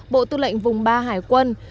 bộ tư lệnh vùng ba hải quân